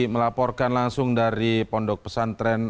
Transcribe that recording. melaporkan langsung dari pondok pesantren